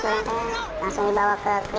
langsung dibawa ke klin